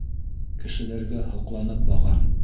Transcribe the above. Кешеләргә һоҡланып бағам.